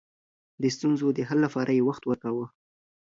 د ستونزو د حل لپاره يې وخت ورکاوه.